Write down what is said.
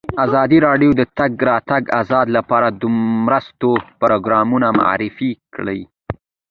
ازادي راډیو د د تګ راتګ ازادي لپاره د مرستو پروګرامونه معرفي کړي.